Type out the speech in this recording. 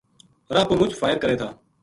راہ پو مُچ فائر کرے تھا